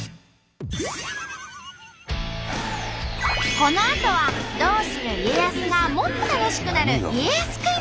このあとは「どうする家康」がもっと楽しくなる家康クイズ。